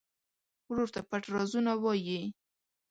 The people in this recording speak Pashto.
ورور ته پټ رازونه وایې.